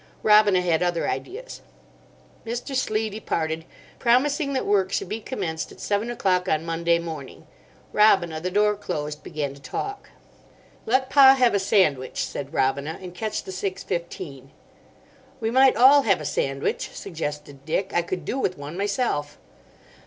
Robina had other ideas. Mr. Slee departed, promising that work should be commenced at seven o'clock on Monday morning. Robina, the door closed, began to talk. "Let Pa have a sandwich," said Robina, "and catch the six fifteen." "We might all have a sandwich," suggested Dick; "I could do with one myself."